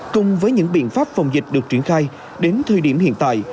cùng với những biện pháp phòng dịch được triển khai đến thời điểm hiện tại